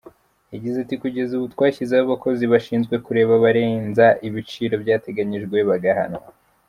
Yagize ati “Kugeza ubu twashyizeho abakozi bashinzwe kureba abarenza ibiciro byatenganyijwe bagahanwa.